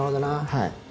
はい。